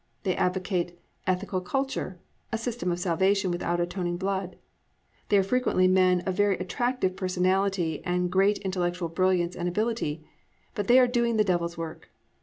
They advocate "ethical culture," a system of salvation without atoning blood. They are frequently men of very attractive personality and great intellectual brilliance and ability, but they are doing the Devil's work.